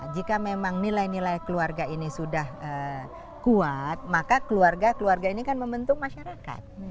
jika memang nilai nilai keluarga ini sudah kuat maka keluarga keluarga ini kan membentuk masyarakat